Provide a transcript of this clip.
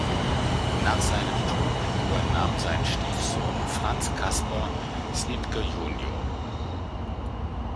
Nach seinem Tod übernahm sein Stiefsohn Frans Casper Snitger jr.